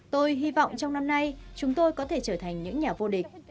tôi hy vọng trong năm nay chúng tôi có thể trở thành những nhà vô địch